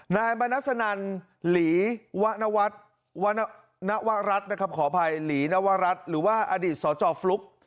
นายบรรณสนันทร์หลีนวรัฐหรือว่าอดิษฐ์สฟลุก